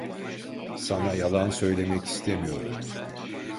Sana yalan söylemek istemiyorum.